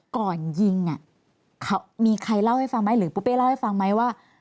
ก่อนยิงมีใครเล่าให้ฟังไหมหรือปูเป้เล่าให้ฟังไหมว่า